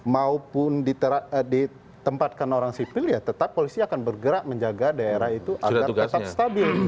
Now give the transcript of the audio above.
maupun ditempatkan orang sipil ya tetap polisi akan bergerak menjaga daerah itu agar tetap stabil